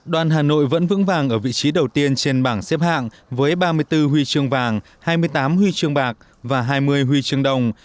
đoàn hà nội vẫn vững vàng ở vị trí đầu tiên trên bảng xếp hạng với ba mươi bốn huy chương vàng hai mươi tám huy chương bạc và hai mươi huy chương đồng